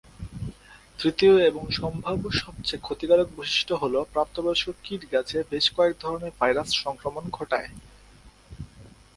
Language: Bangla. তৃতীয় এবং সম্ভাব্য সবচেয়ে ক্ষতিকারক বৈশিষ্ট্য হ'ল প্রাপ্তবয়স্ক কীট গাছে বেশ কয়েক ধরনের ভাইরাস সংক্রমণ ঘটায়।